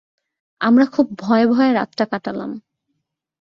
আমরা খুব ভয়ে-ভয়ে রাতটা কাটালাম।